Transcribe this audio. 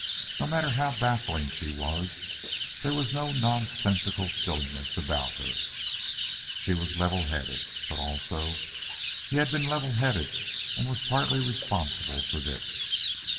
No matter how baffling she was, there was no nonsensical silliness about her. She was level headed. But, also, he had been level headed and was partly responsible for this.